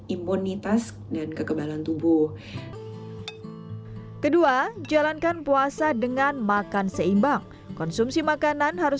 imunitas dan kekebalan tubuh kedua jalankan puasa dengan makan seimbang konsumsi makanan harus